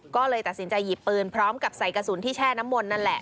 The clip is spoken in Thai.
ก็เลยตัดสินใจหยิบปืนพร้อมกับใส่กระสุนที่แช่น้ำมนต์นั่นแหละ